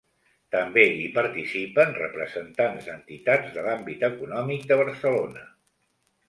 També hi participen representants d'entitats de l'àmbit econòmic de Barcelona.